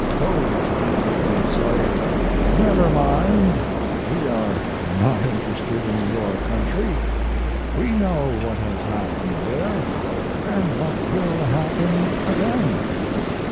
Those people would say, 'Never mind, we are not interested in your country. We know what has happened there, and what will happen again.'